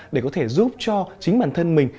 để có thể giúp cho chính bản thân mình